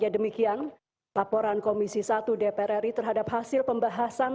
demikian laporan komisi satu dpr ri terhadap hasil pembahasan